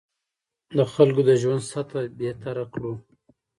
د خلکو د ژوند سطح بهتره کړو.